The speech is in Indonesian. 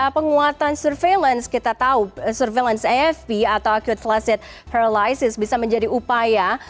penguatan surveillance kita tahu surveillance afp atau acute flaccid paralysis bisa menjadi upaya